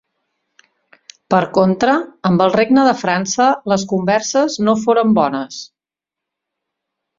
Per contra, amb el Regne de França les converses no foren bones.